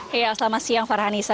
selamat siang farhanisa